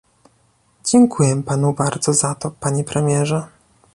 Dziękuję panu bardzo za to, panie premierze